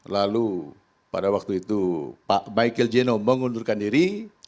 lalu pada waktu itu pak michael geno mengundurkan diri